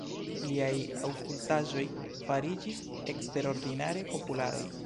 Liaj ilustraĵoj fariĝis eksterordinare popularaj.